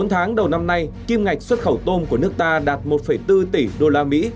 bốn tháng đầu năm nay kim ngạch xuất khẩu tôm của nước ta đạt một bốn tỷ usd